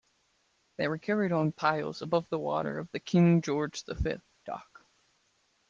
They are carried on piles above the water of the King George V Dock.